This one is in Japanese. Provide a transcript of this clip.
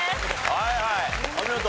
はいはいお見事。